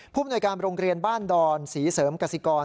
มนวยการโรงเรียนบ้านดอนศรีเสริมกสิกร